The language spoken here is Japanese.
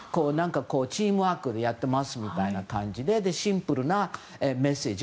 チームワークでやってますみたいな感じでシンプルなメッセージ。